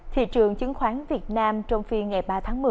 thị trường chứng khoán việt nam trong phiên ngày ba tháng một mươi